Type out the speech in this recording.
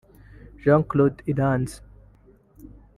Jean Claude Iranzi